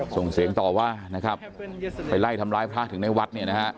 ส่งเสียงต่อว่าไปไล่ทำร้ายพระถึงในวัด